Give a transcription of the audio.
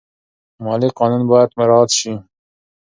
مالي قانون باید مراعات شي.